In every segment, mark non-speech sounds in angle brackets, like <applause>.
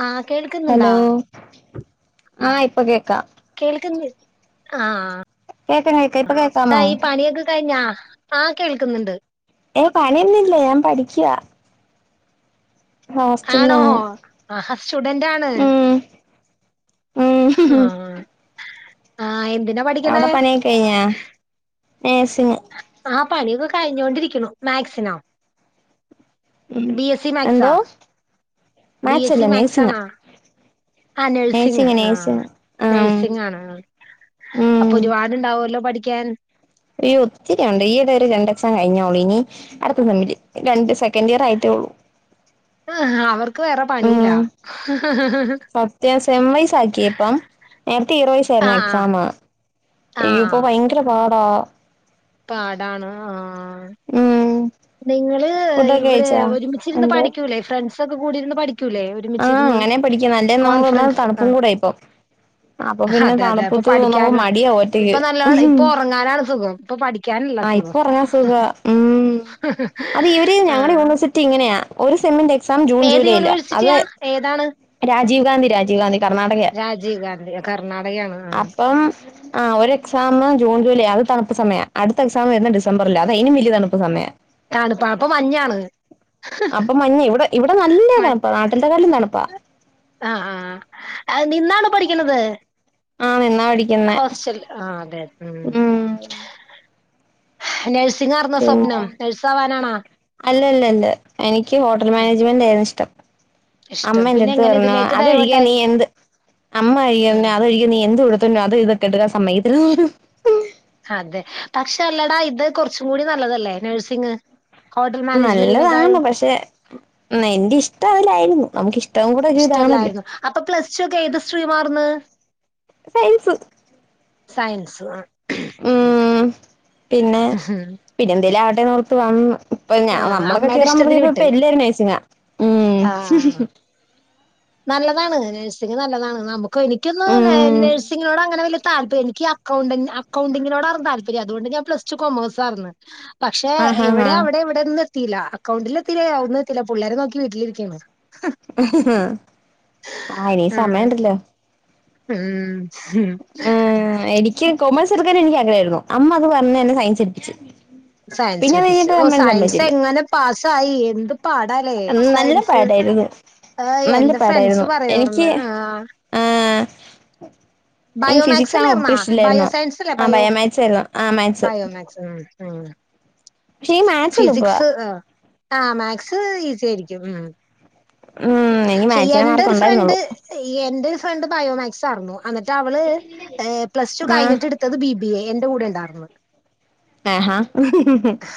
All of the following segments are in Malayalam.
ആഹ് കേൾക്കുന്നുണ്ടാ ഹലോ ആഹ് ഇപ്പൊ കേക്ക കേൾക്കുന്നി ആഹ് കേക്കാം കേക്കാം ഇപ്പൊ കേക്കാമോ എന്തായി പണിയൊക്കെ കഴിഞ്ഞാ ആഹ് കേൾക്ക് ന്ന്ണ്ട് ഏ പണിയൊന്നില്ല ഞാൻ പഠിക്കുവാ ഹോസ്റ്റലില് ആണോ ഞാൻ ആഹ സ്റ്റുഡന്റ് ആണ ഉം ഉം ആഹ് ആഹ് എന്തിനാ പഠിക്കണേ അവിടെ പണിയക്കെ കഴിഞ്ഞ നഴ് സിങ് ആഹ് പണിയൊക്കെ കഴിഞ്ഞോണ്ടിരിക്ണു മാത്സാ ഉം ബിഎസ്സി മാക്സാ എന്തോ ബിഎസ്സി മാച്ചല്ല മാക്സ് നേഴ്സിങ്ങാ ആണാ ആഹ് നഴ്സിംഗ് നേഴ്സിങ് ആഹ് നേഴ്സിങ് ആഹ് നഴ്സിംഗ് ആണ് ഉം അപ്പൊ ഒരുപാട് ത് ഉണ്ടാവല്ലോ പഠിക്കാൻ ഇയ്യോ ഒത്തിരിയുണ്ട് ഈ ഇട ഒരു രണ്ട് എക്സാം കഴിഞ്ഞെളളൂ ഇനി അട്ത്ത സെമ്മില് രണ്ട് സെക്കൻഡ് ഇയർ ആയിട്ടേ ഉള്ളൂ ഹ് അവർക്ക് വേറെ ഉം പണിയിലാ സത്യം സമ്മയിസ് ആകിയിപ്പം നേരത്തെ ആഹ് ഇറോയിസായിരുന്നു ആഹ് എക്സാമ് അയ്യോ പ്പൊ ആഹ് ഭയങ്കര പാടാ പാടാണ് ആഹ് ഉം നിങ്ങള് ഫുഡൊക്കെ ഇവിടെ കഴിച്ചാ ഒരുമിച്ചിരുന്ന് എന്തോ പഠിക്കൂലേ ഫ്രണ്ട്സ് ഒക്കെ കൂടിരുന്ന് പഠിക്കൂലേ ഒരുമിച്ച് ആഹ് ഇരുന്ന് അങ്ങനെ പഠിക്കണം അല്ലേ നമ്മൾ ഒന്നാമത് കോൺഫ്രൻസ് അ തണുപ്പും കൂടെ ഇപ്പം അപ്പൊ പിന്നെ അതെ അതെ പ്പൊ തണുപ്പത്ത് നമുക്ക് പഠിക്കാലോ മടിയാവും ഒറ്റക്ക് ഇപ്പൊ നല്ല ഇപ്പൊ ഉറങ്ങാനാണ് സുഖം ഇപ്പൊ പഠിക്കാനല്ല ആഹ് ഇപ്പൊ സുഖം ഉറങ്ങാൻ സുഖാ ആ ഞങ്ങളെ യൂണിവേഴ്സിറ്റി ഇങ്ങനെയാ ഒരു സെമിന്റെ എക്സാം ജൂൺ ഏത് ജൂലൈയി ലാ അത് യൂണിവേഴ്സിറ്റിയാ ഏതാണ് രാജീവ് ഗാന്ധി രാജീവ് ഗാന്ധി കർണാടകയാ രാജീവ് ഗാന്ധി കർണാടകയാണ് ആ അപ്പം ആഹ് ഒരു എക്സാം ജൂൺ ജൂലൈ യാ അത് തണുപ്പ് സമയ അടുത്ത എക്സാം വരുന്ന ഡിസംബർലാ അത് അയിലും വലിയ തണുപ്പ് സമയ തണുപ്പാ അപ്പൊ മഞ്ഞാണ് അപ്പൊ മഞ്ഞ് ഇവിടെ ഇവിടെ നല്ല തണുപ്പാ നാട്ടിലത്തെ കാളിലും തണുപ്പാ ആഹ് ആഹ് നിന്നാണൊ പഠിക്കണത് ആഹ് നിന്നാ പഠി ഹോസ്റ്റൽ ആഹ് അതെ മം ഉം നെഴ്സ് ഇതാർന്നോ സ്വപ്നം നഴ്സാവാനാണാ അല്ല ല്ല അല്ല എനിക്ക് ഹോട്ടൽ ഉം മാനേജ്മെന്റ് ആയിരുന്നു ഇഷ്ട്ടം ഇഷ്ടം അമ്മന്റെ പിന്നെ അടുത്ത് എങ്ങനെ പറഞ്ഞു ഇതിലേക്ക് അതൊഴികേ നീ ഡൈവേർട്ടായി എന്ത് അമ്മ ആ ഴി നീ എന്തു വിടുത്തന്ന അത് ഇത്ക്കെടുക്ക സമയിക്കത്തില്ലെന്ന് പറഞ്ഞു അതെ പക്ഷെ അല്ലടാ ഇത് കുറച്ചും കൂടി നല്ലതല്ലേ നേഴ്സിങ് നല്ലതാണ് പക്ഷെ എന്റെ ഇഷ്ട്ടം അതിലായിരുന്നു നമുക്കിഷ് ഇഷ്ടല്ലാരുന്നു അപ്പൊ പ്ലസ് ടു ഒക്കെ ഏത് ശ്രീമാർന്ന് സയൻസ് സയൻസ് ആഹ് മം പിന്നെ പിന്നെ എന്തേല് ആവട്ടെ ന്നോർത്ത് വന്ന് ഇപ്പോ ഞാ ആ നമ്മളൊക്കെ അമ്മയുടെ കേറാൻ ഇഷ്ടത്തിന് തൊങ്ങിയപ്പൊ വിട്ട് ഇപ്പം എല്ലാരും നേയ്സിങ്ങാ ഉം ആ നല്ലതാണ് നേഴ്സിംഗ് നല്ലതാണ് നമ്മക്ക് എനിക്കൊന്ന് നേ ഉം നേഴ്സിങ്ങിനോട് അങ്ങനെ വല്ല്യ താല്പ്എനിക്ക് അക്കൗ അക്കൗണ്ടിങ്ങിനോടാണ് താല്പര്യം അത് കൊണ്ട് ഞാന് പ്ലസ്ടു കൊമേഴ്സ് ആർന്ന് പക്ഷേ ആഹ് ഹാ ഹാ ഇവടെ അവടെ ഇവടെ വി <unintelligible> എത്തില്ല അക്കൗണ്ടിലും എത്തില്ലാ എവടെയും എത്തില്ലാ പിള്ളേരെ നോക്കി വീട്ടിലിരിക്ക്യാ ആഹ് ഇനി സമയം ഉണ്ടല്ലോ ഉം ഉം ഉം എനിക്ക് കോമേഴ്സ് എടുക്കാന് എനിക്ക് ആഗ്രഹം ആര്ന്നു അമ്മ അത് പറഞ്ഞ് എന്നെ സയൻസ് എടിപ്പിച്ചു സയൻസ് എടുപ്പിച്ചു ഓ സയൻസ് എങ്ങനെ പാസ്സായി എന്ത് പാടാല്ലോ നല്ല സയൻസ് പാടായിരുന്നു ആഹ് നല്ല എൻ്റെ ഫ്രണ്ട്സ് പാടായിരുന്നു എനിക്ക് പറയോറന്ന് ആഹ് ആഹ് നിക്ക് ഫിസിക്സ് ബയോമാക്സ് ആഹ് ഒട്ടും അല്ലായിരുന്നാ ബയോ ഇഷ്ടില്ലാരുന്നു സയൻസ് അല്ലേ ആഹ് ബയോ ബയോമാക്സ് ആരുന്നു ആഹ് മാക്സ് ബയോമാക്സ് ഫിസിക്സ് ആഹ് ആഹ് മാക്സ് ഈസി ആയിരിക്കും ഉം ഉം എനിക്ക് ശേ മാത്സിന് എന്റെ മാർക്ക് ഒര് ഫ്രണ്ട് ഉണ്ടായിരുന്നുള്ളൂ എന്റെ ഒരു ഫ്രണ്ട് ബയോമാക്സ് ആറ്ന്നു എന്നിട്ട് അവള് എ പ്ലസ് ടു ആഹ് കഴിഞ്ഞിട്ട് എട് ത്തത് ബി ബി എ എന്റെ കൂടെ ഇണ്ടാർന്ന് ഏഹാ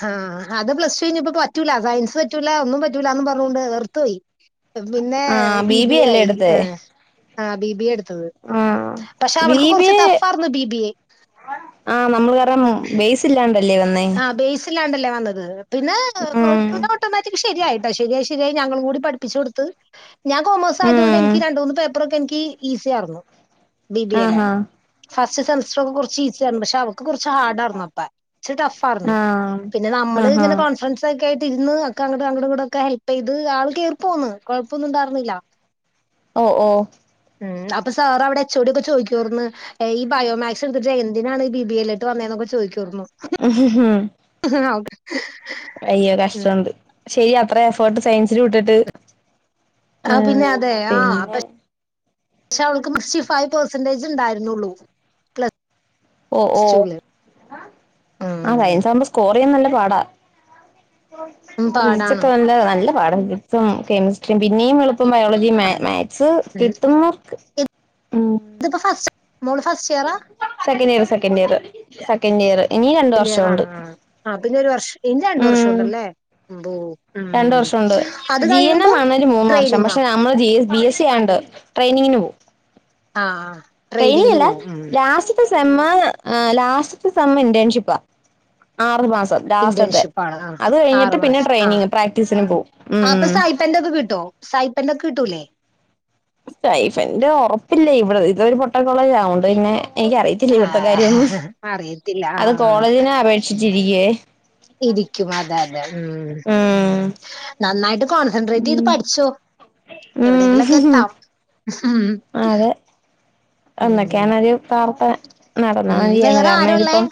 ആഹ് അത് പ്ലസ് കയിഞ്ഞപ്പൊ പറ്റൂല്ലാ സയൻസ് പറ്റൂല്ലാ ഒന്നും പറ്റൂല്ലാ എന്ന് പറഞ്ഞൊണ്ട് വേറ്ത്ത് പോയി പിന്നെ ബി ബി എ ആയി ആഹ് ആഹ് ബി ബി എ എട്ത്തത് ആഹ് പക്ഷേ ബി അവൾക്ക് ബി കൊറച്ച് എ ടാഫാർന്നു ബി ബി യെ <unintelligible> ഇല്ലാണ്ടെ ല്ലേ വന്നേ ആഹ് ബേസ് ഇണ്ടാല്ലേ വന്നത് പിന്നെ ഉം പിന്നെ ഓട്ടോമാറ്റിക് കരിയായിട്ടോ കര്യായായി ശെര്യാ <unintelligible> ഞങ്ങളും കൂടി പഠിപ്പിച്ചു കൊടുത്ത് ഞാ കോമേഴ്സ് ആയത് കൊണ്ട് ഉം എനി രണ്ടണ്ട് മൂന്ന് പേപ്പറൊക്കെ എനിക്ക് ഇസി ആർന്നു ബി ബി അല്ലോ ആഹാ ഫസ്റ്റ് സെമസറ്റ്ക്കേ കൊറാ ച്ച് ഈസിയാർന്നു പക്ഷെ അവൾക്ക് കൊറച്ച് ഹാർഡാർന്നു അപ്പെ ഇച്ചിരി ടാഫാർന്ന് ആഹ് പിന്നെ നമ്മള് ആഹാ ഇങ്ങനെ കൊ ഫ്രണ്ട്സ ഒക്കെ ആയിട്ട് ഇര്ന്ന് ഒക്കെ അങ്ങട്ട് ഇങ്ങട്ട് ഒക്കെ ഹെൽപ്പ് ചെയ്ത് ആള് കേയറി പോന്ന് കൊഴപ്പൊന്നും ഇണ്ടാരുന്നില്ലാ ഓ ഓ ഉം അപ്പൊ സാർ അവടെ എച്ചേടിക്കെ ചോയിക്ക്യാർന്ന് ഈ ബയോമാക്സ് എട്ത്തിട്ട് എന്തിനാണ് ബി ബി അല്ല്ലോട്ട് വന്നേതന്നൊക്കേ ചോദിക്കാറ്ന്നു <unintelligible> അയ്യോ കഷ്ടം ഉം ഒണ്ട് ശെരി അത്ര എഫേർട്ട് സയൻസില് ഇട്ടിട്ട് ആഹ് പിന്നെ അതെ ആഹ് അ പക്ഷെ അവൾക്ക് സിക്സ്റ്റി ഫൈവ് പെർസെന്റേജ് ഒണ്ടായിര്ന്നോള്ളൂ പ്ല ഓ ഓ ആഹ് ഉം സയാൻസ് ആവ്മ്പോ സ്കോർ ചെയ്യാൻ നല്ല പാടാ ഉം, പാടാണ് <unintelligible> നല്ല പാടാ <unintelligible> കെമിസ്ട്രിയും പിന്നെയും എള്പ്പം ബായോ ജിയും മാകസ് ഉം കിട്ട്ന്നോർക്ക് ഉം ഇതിപ്പോ ഫസ്റ്റ് മോള് ഫസ്റ്റ് ഇയറാ second year second year second year ഇനി രണ്ട് വർഷോണ്ട് ആഹാ പിന്നെ ഒര് വർഷം ഇനി രണ്ട് വർഷം ഉണ്ടാല്ലോ രണ്ട് വർഷോണ്ട് ജി എൻ എം ആണേല് മൂന്ന് വർഷം ട്രെയിനിങ്ങാ പക്ഷേ ഞ നമ്മള് ബി ബിഎസ് സി ആണ്ട് ട്രെയിനിങ്ങിന് പോകും ആ ആ ട്രെയിനിങ് ട്രെയിനിങ്ങിന് അല്ലാ പോവും ഉം ലാസ്റ്റ് ലാസ്റ്റ് സെമ് ആഹ് ലാസ്റ്റ് സെമ് ഇന്റേൺഷിപ്പാ ആറ് മാസം ലാസ്റ്റത്തെ ഇന്റേൺഷിപ്പ് ആണ് ആ അത് ആറു കഴിഞ്ഞിട്ട് പിന്നെ മാസം ട്രെയിനിങ് പ്രാക്ടീസിന് പോവും ഉം പ്പെന്റെ ഒക്കെ കിട്ടോ സായിപ്പേൻ്റെ ഒക്കെ കിട്ടൂല്ലോ സൈഫന്റെ ഒറപ്പില്ലേ ഇവടെ ഇതൊ ഒര് പൊട്ടാ കോളേജ് ആയ്കൊണ്ട് ഇങ്ങനെ എനിക്കറി ഇല്ലാ ആ ഇവടുത്തെ കാര്യം അറിയത്തില്ല ആ അത് ആ. കോളേജിനെ അപേക്ഷിച്ച് ഇരിക്ക്യായോ ഇരിക്കും അതെ അതെ ഉം ഉം നന്നായിട്ട് കോൺസെൻട്രേറ്റ് ചെയ്ത് ഉം പഠിച്ചോ എവിടെങ്കിലൊക്കെ എത്താം ഹ് മ് ആ അതെ എന്നൊക്കെയാണ് ഒരു പ്രാർത്ഥന നടന്നാ ഉം മതിയായിരുന്നു വേറെ കാരണം, ആരുള്ളേ ഇതിപ്പം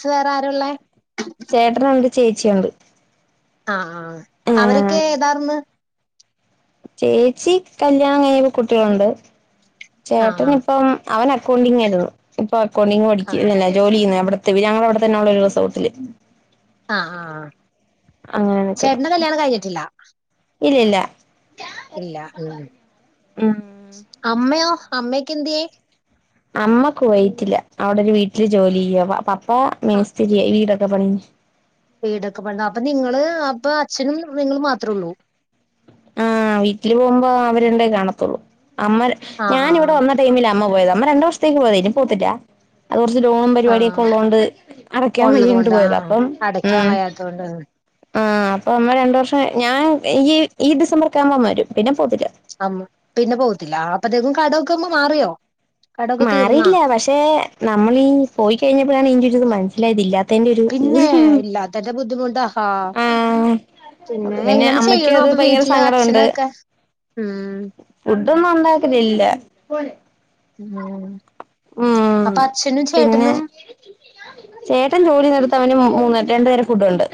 <unintelligible> വേറെ ആരുള്ളേ? ചേട്ടനുണ്ട്, ചേച്ചിയുണ്ട്. ആഹ്, അവരൊക്കെ ആഹ് ഏതാർന്ന്? ചേച്ചി കല്യാണം കഴിഞ്ഞിപ്പ കുട്ടികളുണ്ട്, ആഹ് ചേട്ടനിപ്പം അവനക്കൗണ്ടിങ്ങായിരുന്നു. ഇപ്പൊ അക്കൗണ്ടിങ് പഠിക്ക ആഹ് <unintelligible> ജോലി ചെയ്യുന്നെ അവിടത്തെ, ഞങ്ങളവിടെത്തന്നെ ഉള്ള ഒരു റിസോർട്ടില് അ ആഹ് ആഹ്, അങ്ങനെ ചേട്ടന്റെ കല്യാണം കഴിഞ്ഞിട്ടില്ല. ഇല്ലില്ലാ ഇല്ല ഉം. ഉം അമ്മയോ അമ്മയെക്കെന്ത്യേ? അമ്മ കുവൈറ്റിലാ, അവിടൊരു വീട്ടില് ജോലി ചെയ്യുവാ. പ പപ്പാ ആഹ് മേസ്തിരിയാ വീടൊക്കെ പണിയുന്ന വീടൊക്കെ പണി അപ്പൊ നിങ്ങള് അപ്പൊ, അച്ഛനും നിങ്ങളും മാത്രൊള്ളൂ. ആഹ്, വീട്ടില് പോകുമ്പോ അവരണ്ടേ കാണത്തുള്ളൂ. അമ്മ ആഹ് ഞാനിവിടെ ആഹ് വന്ന ടൈമിലാ അമ്മ പോയത്. അമ്മ രണ്ടുവർഷത്തേക്ക് പോയതാ ഇനി പോവത്തില്ല അത് കുറച്ച് ലോണും പരിപാടിയൊക്കെ ആഹ് ഉള്ളത് കൊണ്ട് അടക്കാൻ ഉള്ളത് വയ്യാഞ്ഞിട്ട് കൊണ്ട് പോയതാ ആഹ് അപ്പം അടയ്ക്കാൻ ഉം വയ്യാത്തോണ്ട് ആഹ് അപ്പൊ അമ്മ രണ്ടു വർഷം, ഞാൻ ഇയ്യ് ഈ ഡിസംബറൊക്കാവുമ്പൊ അമ്മ വരും, പിന്നെ പോവത്തില്ല. അമ്മ് പിന്നെ പോവത്തില്ല, അപ്പത്തേക്കും കട ഒക്കമ്മ മാറിയോ? കടൊക്കെ തീർന്നാ മാറിയില്ല പക്ഷേ, നമ്മളീ പോയി കഴിഞ്ഞപ്പോഴാണ് ഇതിന്റെ ഒരിത് മനസ്സിലായത് ഇല്ലാ പിന്നേ, ഇല്ലാത്തേന്റെ ബുദ്ധിമുട്ട് അ ഹാ ആഹ് അപ്പൊ പിന്നേ, പിന്നെ എങ്ങനെ അമ്മയ്ക്കും ചെയ്യ്ണു അത് അപ്പൊ ഭയങ്കര വീട്ടില് അച്ഛനൊക്കെ? ഊം ഫുഡ്ഡൊന്നും ഉണ്ടാക്കലില്ല. ഉം ഊം. അപ്പൊ അച്ഛനും പിന്നെ, ചേട്ടനും ചേട്ടൻ ജോലി <unintelligible> അവനും മൂന്ന്, രണ്ടു നേരം ഫുഡ്ഡുണ്ട്.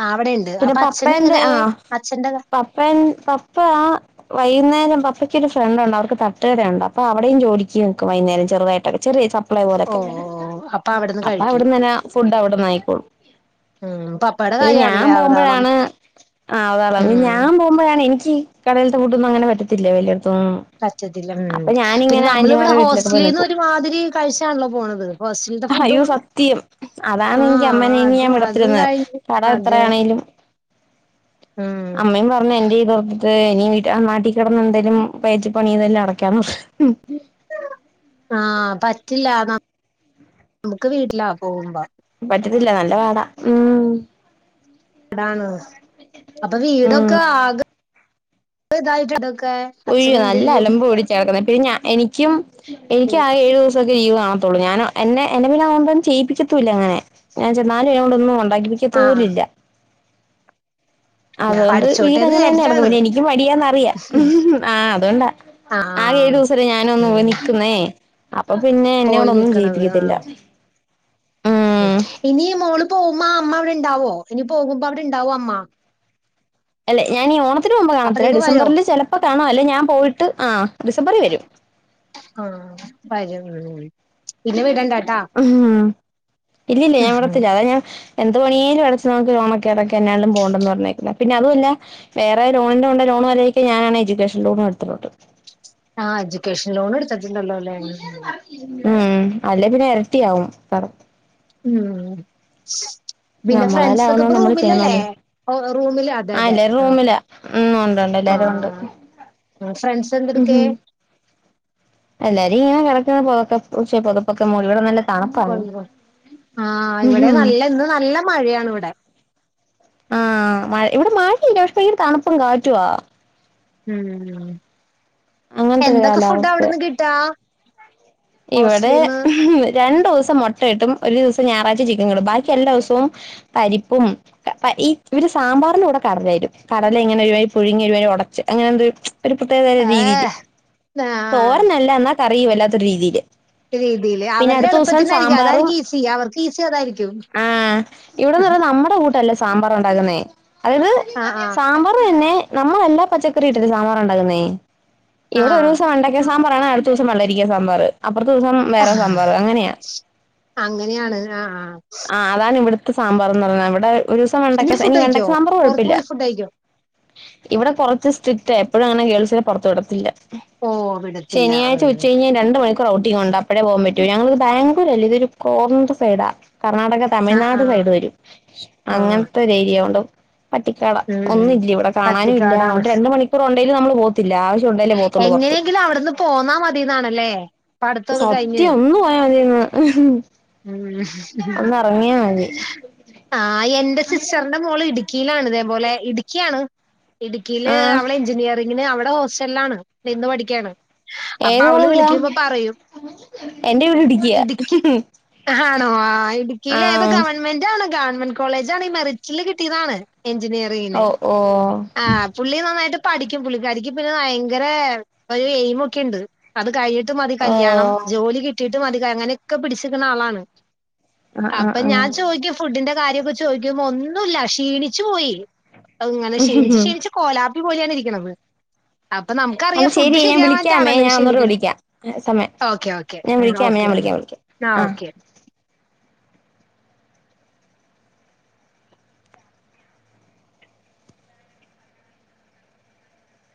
ആ അവിടെണ്ട് പിന്നെ അപ്പൊ അച്ഛന് പപ്പയെന്തെ, എങ്ങനെ ആഹ് അച്ഛന്റെ പപ്പൻ പപ്പ ആഹ് വൈകുന്നേരം പപ്പയ്ക്കൊര് ഫ്രണ്ടുണ്ട്. അവർക്ക് തട്ടുകട ഉണ്ട്. അപ്പൊ അവിടെയും ജോലിക്ക് നിക്കും വൈന്നേരം, ചെറുതായിട്ടൊക്കെ ചെറിയ ചപ് ഓ പോലൊക്കെ. അപ്പൊ അവിടുന്ന് അപ്പൊ കഴിക്കും അവിട്ന്നന്ന ഫുഡ്ഡവിടന്നായിക്കോളും. അവിടന്നായിക്കോളും ഉം പപ്പേടെ കാര്യ ഞാൻ പോവ്മ്പഴാണ്, ആഹ് <unintelligible> ഉം ഞാൻ പോവു മ്പഴാണ് എനിക്ക് കടേൽത്തെ ഫുഡ്ഡൊന്നും അങ്ങനെ പറ്റത്തില്ല, വലിയോട്ത്ത്ന്നൊന്നും. പറ്റത്തില്ല ഉം. പിന്നെ നമ്മളിവിടെ വീട്ടിലൊക്കെ ഹോസ്റ്റലീന്ന് ഒരു മാതിരി കഴിച്ചാണല്ലോ പോണത്. ഹോസ്റ്റലിത്തെ ഹയ്യോ ഫുഡും സത്യം. അതാണ് എങ്കി ആഹ് അമ്മനെ ഇനി അത് ഞാൻ വിടത്തി അതും ല്ലെന്ന്. കഴിഞ്ഞ് കടം അതെ എത്രയാണേ <unintelligible> ഉം അമ്മയും പറഞ്ഞ് എന്റെ ഈ <unintelligible> ഇനി വീട്ടി ആ നാട്ടി കെടന്ന് എന്തേലും പയറ്റി പണി ചെയ്തെല്ലാം അടക്കാന്നു പറഞ്ഞു. ആഹ് പറ്റില്ല, ന <unintelligible> മുക്ക് വീട്ടിലാ പോകുമ്പം പറ്റത്തില്ല നല്ല പാടാ ഉം. ടാണ്. അപ്പൊ ഉം വീടൊക്കെ ആകെ <unintelligible> ഇതായിട്ട്ണ്ടൊക്കെ ഉയ്യോ നല്ല അലമ്പ് പിടിച്ചാ കെടക്കുന്നെ പിന്നെ ഞാ, എനിക്കും എനിക്ക് ആകെ ഏഴ് ദിവസ <unintelligible> ലീവാവത്തൊള്ളു. ഞാന് എന്നെ എന്നെ പിന്നതോണ്ടൊന്നും ചെയ്യിപ്പിക്കത്തൂല്ലങ്ങനെ. ഞാൻ ചെന്നാലും എന്നെ കൊണ്ടൊന്നു ആഹ് ഉണ്ടാക്കിപ്പിക്കത്തോലുമില്ല. അതുകൊണ്ട്, പഠിച്ചോട്ടെന്ന് വീടങ്ങനെന്നെ കെടക്കും വിചാരിച്ചിട്ടാണ് പിന്നെ, എനിക്ക് മടിയാന്നറിയാം. ആഹ് ഉം ആഹ് അതുകൊണ്ടാ, ആ ആകെ ഏഴൂസല്ലേ ഞാനു ഒന്ന് പോയി ഉം. നിക്ക്ന്നേ അപ്പൊ പിന്നെ, പോയി എന്നോടൊന്നും നിക്കണത് ചെയ്യിപ്പിക്കത്തില്ല. ആഹ് ഉം ഇനി മോള് പോവുമ്പോ ആ അമ്മ അവിടെ ഇണ്ടാവോ? ഇനി പോകുമ്പോ അവിടെ ഇണ്ടാവോ അമ്മ? അല്ലെ ഞാനീ ഓണത്തിന് പോകുമ്പോ കാണത്തില്ല. അപ്പത്തേക്ക് വരോ ഡിസംബറില് ചെലപ്പൊ കാണും, അല്ലേ ഞാൻ പോയിട്ട് ആഹ് ഡിസംബറി വരും. ആഹ് വരും. മ് ഹ് പിന്നെ വിടണ്ടാ ഹ് ഉം. ഇല്ലില്ല ഞാൻ വിടത്തില്ല, അതാ ഞാൻ എന്ത് പണിയേലും അടച്ച് നമുക്ക് ലോണൊക്കെ അടക്ക, എന്നാലും പോണ്ടെന്ന് പറഞ്ഞേക്ക്ന്നെ. പിന്നെ അതുവല്ല വേറേ ലോണിന്റെ കൊണ്ട ലോണും <unintelligible> ഞാനാണേ എ്യൂക്കേഷൻ ലോണും എടുത്തിട്ടുണ്ട്. ആഹ് എജ്യുക്കേഷൻ ലോണ് ട് ത്ത് ഉം അല്ല പിന്നെ ഇരട്ടിയ ആവുംും സറ ഉം പിന്നെ നമ്മളേല് ഫ്രണ്ട്സ് ഒക്കെ ആവുന്നത് ഇപ്പ നമ്മള് റൂമിലല്ലേ ചെയ്യണല്ലോ ഓ റൂമില് അതെ അതെ എല്ലാരും ആ റൂമിലാ ഉം ഉണ്ട്ുണ്ട് എല്ലാരും ഉണ്ട് ഫ്രണ്ട്സ് ഉം എന്തൊക്കെയെ ഹും എല്ലാരും ഇങ്ങനെ കടക്കുന്ന പുൊതക്ക പക്ഷേ പതുപ്പൊക്കെ മൂള ഇവിടെ നല്ല കൊ തണുപ്പാണ് ആ് ഉം ഇവിടെ ഹും നല്ല ഇന്ന് നല്ല മഴയാണ് ഇവിടെ ആഹ്ഴ ഇവിടെ മഴയില്ല പക്ഷെതണുപ്പും കാറ്റുവാ ഉം അങ്ങനത്തൊരു എന്തൊക്കെ ഫുഡ് കാലാവസ്ഥയാ അവിടുന്ന് കിട്ടാ ഇവിടെ ഹോസ്റ്റലിന്ന് രണ്ടു ദിവസം മുട്ടയിട്ടും ഒരു ദിവസം ഞായറാഴ്ച ചിക്കൻ കിടും ബാക്കി എല്ലാ ദിവസവും പരിപ്പും ഈ ഇവര് സാമ്പാറിന്റെ കൂടെ കടലായിും കടല ഇങ്ങനെ ഒരു പുഴുങ്ങി ഒരു ഉടച്ച് അങ്ങനെന്ത ഒരു പ്രത്യേകത രീതിയില് ഏഹ് ആഹ് തോരനല്ല എന്ന അറിയും വല്ലാത്ത ഒരു രീതിൽ രീതിയില് അവരുടെ എളുപ്പത്തിനായിയിരിക്കും സാമ്പാറും അതായിരിക്കും ഈസി അവർക്ക് ഈസി അതായിരിക്കും ആഹ് ഇവിടെന്ന് പറ നമ്മുടെ കൂട്ടല്ലേ സാമ്പാർ ഉണ്ടകുന്നേ അതായത് ആഹ് സാമ്പാർ തന്നെ നമ്മളെല്ലാ പച്ചക്കറി ഇട്ടിട്ട് സാമാർ ഉണ്ടാക്കുന്നേ ഇവിടെ ഒരു ആഹ് ദിവസം ഉണ്ടാക്കി സാമ്പാറാണ് അടുത്ത ദസം വെള്ളരിക്ക സാർ അപ്പുത്തെ ദിവസം ആഹ് വേറെ ആഹ് സാമ്പാർ അങ്ങനെയാ അങ്ങനെയാണ് ആ ആ ആഹ് അതാണ് ഇവിടുത്തെ സാമ്പാർന്ന് പറഞ്ഞത് ഇവിടെ ഒരു ദിവസം നീ വെണ്ടക്ക ഫുഡ് ഇനി കഴിക്കോ വെണ്ടക്ക സാമ്പാർ പുറത്ത് കുഴപ്പില്ല പോയി ഫുഡ് കഴിക്കോ ഇവിടെ കുറച്ച് സ്ട്രിക്റ്റ എപ്പോഴും അങ്ങനെ ഗേൾസെ പുറത്തു വിടത്തില്ല ഓ വിടത്തില്ല ശനിയാഴ്ച ഉം ഉച്ച കഴിഞ്ഞൽ രണ്ട മണിക്കൂർ ക്രൗഡി ഉണ്ട് അപ്പോടെേ പോകാൻ പറ്റൂ ഞങ്ങളത് ബാ്ലൂർല്ല ഇൊ ഒരു കോർണർ സൈഡാ കർണാടക ആഹ് തമിഴ്നാട് ആഹ് സൈഡ് വരും ആഹ് അങ്ങനത്തെ ഒരു ഏരിയ കൊണ്ടണ്ട് പട്ടിക്കാട ഉം ഉം ഒന്നുമില്ലല്ല ഇവിടെ കാണാനും ഇല്ല അ പട്ടിക്കാടാണ് രണ്ട മണിക്കൂർ ഉണ്ടെേിലും നമ്മൾ പോ ത്തില്ല ആവശ്യ ഉണ്ടേലേപോകത്തുള്ളൂ പുറത്തു എങ്ങനെയെങ്കിലും അവിടുന്ന് പോന്നാ മതിന്നാണല്ലേ പഠിത്തൊക്കെ കഴിഞ്ഞ് സത്യം ഒന്ന്ു പോയാ മതിന്ന് ഉ ഒന്ന് ഇറങ്ങിയാ മതി ആ എന്റെ സിസ്റ്ററിന്റെ മോള് ഇടുക്കിയിലാണ് ഇതേപോലെ ഇടുക്കിയ ആാണ് ഇടുക്കിയില് ആഹ് അവടെ എഞ്ചിനീയറിങ്ങിന് അവിടെ ഹോസ്റ്റലിലാണ് നിന്ന് പഠിക്കയാണ് അപ്പൊ ഏത് അവള് കോളേജാ വിളിക്കുമ്പോ പറയും എന്റെ വീട് ഇടുക്കിയാ ഇടുക്കി ആണോ ആ ഇടുക്കിയില ഏത് ആഹ് ഗവൺമെന്റ് ആണോ ഗവൺമെന്റ് കോളേജ് ആാണ് ഈ മെറിച്ചില് കിട്ടിയതാണ് എഞ്ചിനീയറിങ്ങിനന് ഓ ഓ ആ പുള്ളി നന്നായിട്ട് പഠിക്കും പുള്ളിക്കാരിക്ക്പിന്നെ ഭയങ്കര ഒരു എയിമ ഒക്കെുണ്ട് അത് കഴിഞ്ഞിട്ട് മതി ഓ കല്യാണം ജോലി കിട്ടിയിട്ട് മതി അങ്ങനെയൊക്കെ പിടിച്ചിരിക്കുന്ന ആളാണ് ആഹ് ആഹ് അപ്പൊ ഞാൻ ചോയ്ിക്കും ഫുഡിന്റെ കാര്യൊക്കെ ചോയ്ിക്കുമ്പ ഒന്നുമല്ല ക്ഷീണിച്ചു പോയി അ ഇങ്ങനെ ക്ഷീണിു ആഹ് ക്ഷീണിച്ച കോലാപ്പി പോലെയാണ് ഇരിക്കണത് അപ്പൊ എന്നാ നമുക്കറിയാം ശരി ഫുഡ് ഞാൻ വിളിക്കാമേ ശരിയാവാൻട്ടാണല്ലോ ഈ ഞാൻ ഒന്നുകൂടെ ക്ഷീണിക്ക്ണെ വിളിക്കാം സമയം ഓക്കെ ഓക്കെ ഞാൻ ഉ വിളിക്കാമേ ഓക്കെ ഞാൻ വിളിക്കാം വിളിക്കാം ആ ആഹ് ഓക്കെ